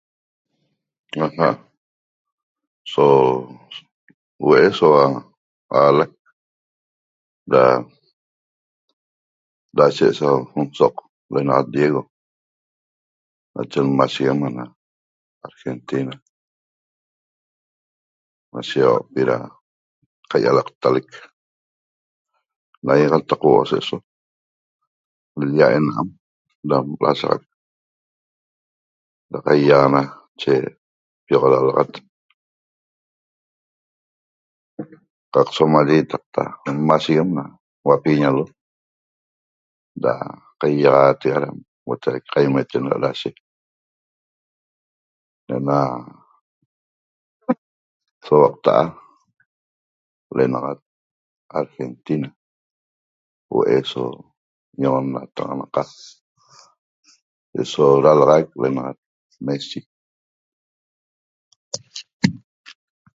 Aja' so huee' esoua alaeq da dashe so nsoc lenaxat Diego nache nmasheguem ena argentina na shexauapi da cahialaqteleq nahie catac huoo se so l'lia enaam laciaxaq da caixana che lenaxat piololaxat cat so maye nmaceguem na uapiguiñalo da caiaxatexa caimeten da dashe ena sotaa' lenaxat argentina huee' so ñoxnataxanaca eso dalaxaiq lenaxat messi